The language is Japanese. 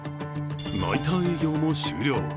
ナイター営業も終了。